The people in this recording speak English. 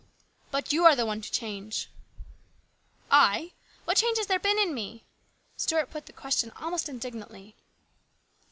But you are the one to change." " I ! What change has there been in me ?" Stuart put the question almost indignantly.